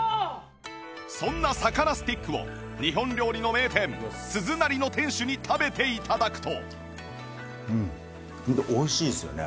そんな魚スティックを日本料理の名店鈴なりの店主に食べて頂くと